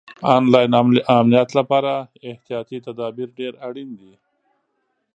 آنلاین امنیت لپاره احتیاطي تدابیر ډېر اړین دي.